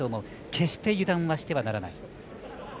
決して油断はしてはならない。